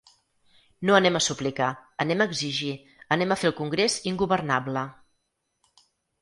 No anem a suplicar, anem a exigir, anem a fer el congrés ingovernable.